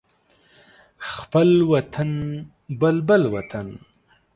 خپل وطن بلبل وطن